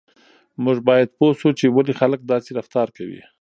موږ باید پوه شو چې ولې خلک داسې رفتار کوي.